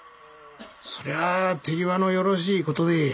そりゃ手際のよろしい事で。